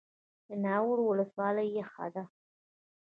د ناور ولسوالۍ یخه ده